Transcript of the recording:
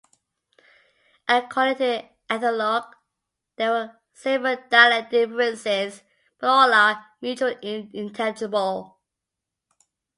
According to "Ethnologue" there are several dialect differences, but all are mutually intelligible.